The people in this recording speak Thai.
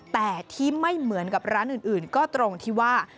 แต่ที่ไม่เหมือนกับร้านอื่นก็ตรงที่ว่า